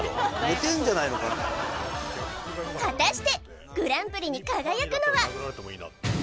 果たしてグランプリに輝くのは？